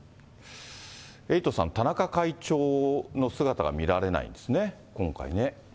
エイトさん、田中会長の姿が見られないですね、今回ね。